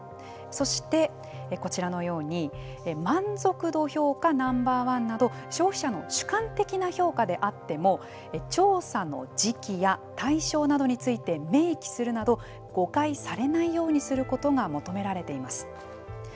そして、こちらのように満足度評価Ｎｏ．１など消費者の主観的な評価であっても調査の時期や対象などについて明記するなど誤解されないようにすることが求められています。